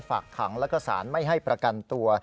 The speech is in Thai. ฝากขังแล้วก็สารไม่ให้ประกันตัว